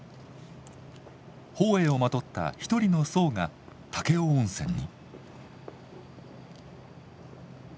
法衣をまとった一人の僧が武雄温泉に。